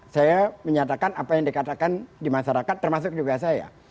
saya menyatakan apa yang dikatakan di masyarakat termasuk juga saya